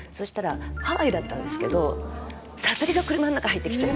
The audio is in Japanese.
ハワイだったんですけどサソリが入ってきちゃって。